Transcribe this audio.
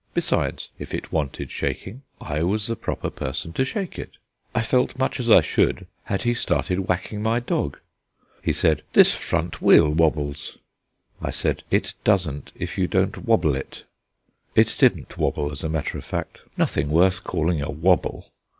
Besides, if it wanted shaking, I was the proper person to shake it. I felt much as I should had he started whacking my dog. He said: "This front wheel wobbles." I said: "It doesn't if you don't wobble it." It didn't wobble, as a matter of fact nothing worth calling a wobble.